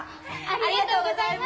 ありがとうございます！